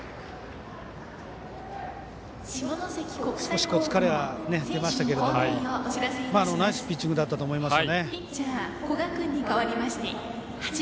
少し疲れが出ましたけどナイスピッチングだったと思います。